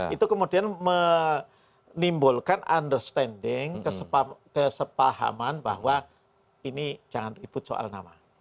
itu kemudian menimbulkan understanding kesepahaman bahwa ini jangan ribut soal nama